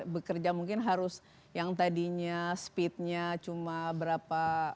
bekerja mungkin harus yang tadinya speednya cuma berapa